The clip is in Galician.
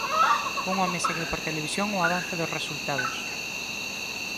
Un home segue por televisión o avance dos resultados.